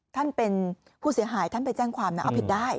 ท่านเป็นผู้เสียหายท่านไปแจ้งความนะเอาผิดได้